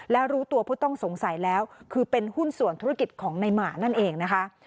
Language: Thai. และรู้ตัวผู้ต้องสงสัยแล้วคือเป็นหุ้นส่วนธุรกิจของในหมานั่นเองนะคะ